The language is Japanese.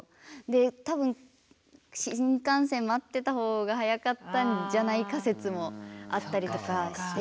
多分新幹線待ってた方が早かったんじゃないか説もあったりとかして。